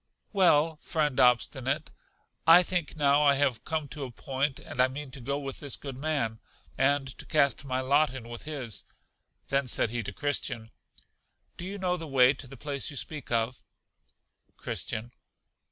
Well, friend Obstinate, I think now I have come to a point; and I mean to go with this good man, and to cast my lot in with his. Then said he to Christian, Do you know the way to the place you speak of? Christian.